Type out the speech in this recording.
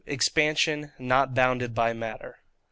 Expansion not bounded by Matter.